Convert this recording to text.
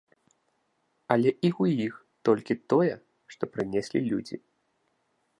Але і ў іх толькі тое, што прынеслі людзі.